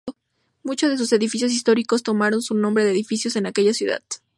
Muchos de sus edificios históricos tomaron su nombre de edificios en aquella ciudad.